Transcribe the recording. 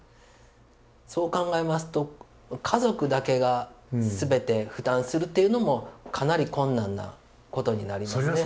そう考えますと家族だけが全て負担するっていうのもかなり困難なことになりますね。